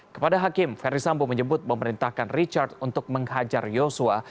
kepada hakim ferdisambo menyebut memerintahkan richard untuk menghajar yosua